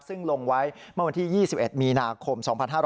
ซึ่งลงไว้เมื่อวันที่๒๑มีนาคม๒๕๕๙